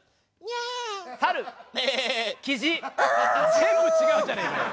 全部違うじゃねえかよ。